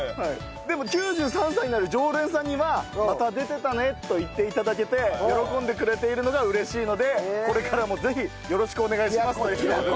でも９３歳になる常連さんには「また出てたね」と言って頂けて喜んでくれているのが嬉しいのでこれからもぜひよろしくお願いしますという事で。